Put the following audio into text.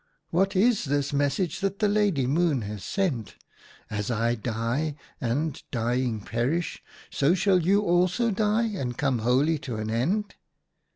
What is this message that the Lady Moon has sent ? "As I die and, dying, WHY HARES NOSE IS SLIT 75 perish, so shall you also die and come wholly to an end."